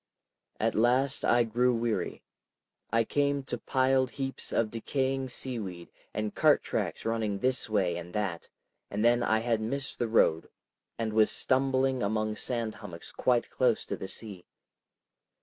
At last I grew weary. I came to piled heaps of decaying seaweed and cart tracks running this way and that, and then I had missed the road and was stumbling among sand hummocks quite close to the sea.